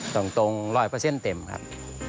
ตรง๑๐๐เต็มครับ